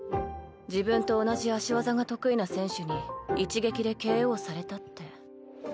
自分と同じ足技が得意な選手に一撃でＫＯされたって。